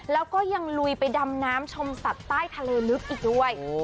แล้วก็ยังลุยไปดำน้ำชมสัตว์ใต้ทะเลลึกอีกด้วย